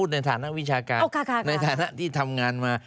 ในฐานะวิชาการในฐานะที่ทำงานมา